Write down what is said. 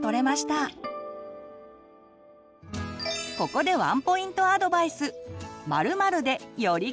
ここでワンポイントアドバイス！